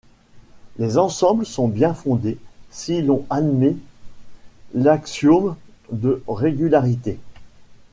Les ensembles sont bien fondés si l’on admet l’axiome de régularité.